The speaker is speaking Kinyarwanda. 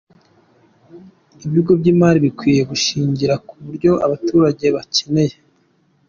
Ibigo by’imari bikwiye gushingira ku byo abaturage bakeneye.